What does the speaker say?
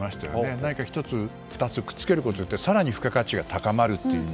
何か１つ、２つくっつけることによって更に付加価値が高まるという。